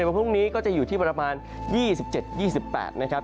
วันพรุ่งนี้ก็จะอยู่ที่ประมาณ๒๗๒๘นะครับ